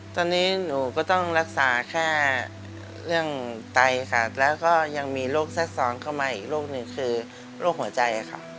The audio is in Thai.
ตอนนี้หนูก็ต้องรักษาแค่เรื่องไตค่ะแล้วก็ยังมีโรคแทรกซ้อนเข้ามาอีกโรคหนึ่งคือโรคหัวใจค่ะ